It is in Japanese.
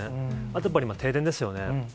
あとやっぱり停電ですよね。